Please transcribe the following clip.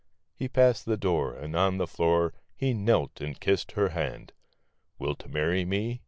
He passed the door, And on the floor He knelt and kissed her hand ;" Wilt marry me?"